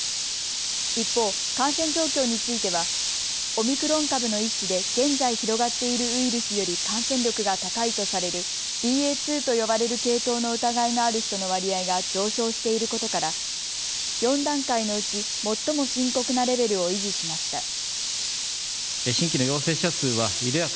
一方、感染状況についてはオミクロン株の一種で現在広がっているウイルスより感染力が高いとされるＢＡ．２と呼ばれる系統の疑いがある人の割合が上昇していることから４段階のうち最も深刻なレベルを維持しました。